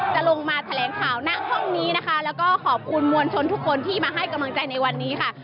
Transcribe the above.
จะลงมาแถลงข่าวณห้องนี้นะคะแล้วก็ขอบคุณมวลชนทุกคนที่มาให้กำลังใจในวันนี้ค่ะ